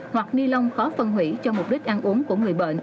hoặc ni lông khó phân hủy cho mục đích ăn uống của người bệnh